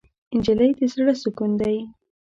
نجلۍ د زړه سکون دی.